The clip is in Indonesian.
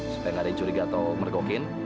supaya nggak ada yang curiga atau mergokin